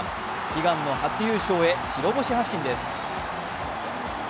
悲願の初優勝へ白星発進です。